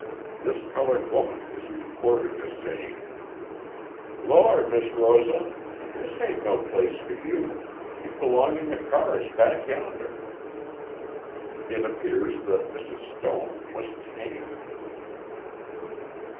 This coloured woman is reported as saying: "Lor, Miss Rosa, this ain't no place for you; you b'long in the cars back yonder." It appears that Mrs. Stone was tanned.